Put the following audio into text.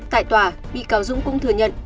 tại tòa bị cáo dũng cũng thừa nhận